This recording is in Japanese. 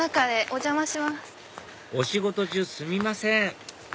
お仕事中すみません